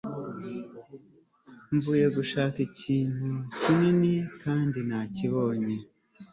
mvuye gushaka ikintu kinini, kandi nakibonye